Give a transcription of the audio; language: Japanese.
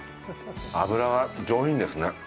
脂が上品ですね。